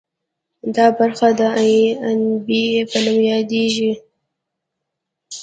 دا برخه د عنبیې په نوم یادیږي.